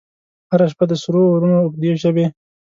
هره شپه د سرو اورونو، اوږدي ژبې،